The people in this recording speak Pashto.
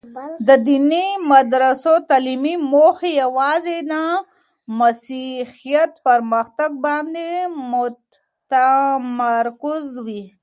د دیني مدرسو تعلیمي موخې یوازي د مسیحیت پرمختګ باندې متمرکز وې.